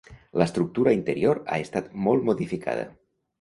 L'estructura interior ha estat molt modificada.